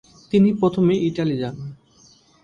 তিনি প্রথমে ইটালি যান।